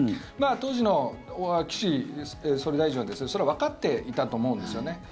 当時の岸総理大臣はそれはわかっていたと思うんです。